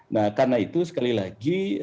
nah karena itu sekali lagi